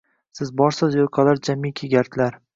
Siz borsiz – yo’qolar jamiki gardlar: